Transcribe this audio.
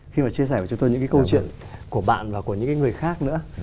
khi mà chia sẻ với chúng tôi những câu chuyện của bạn và những người khác nữa